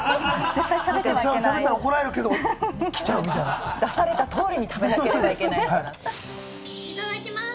絶対しゃべってはいけないしゃべったら怒られるけど来ちゃうみたいな出されたとおりに食べなければいけないようないただきます！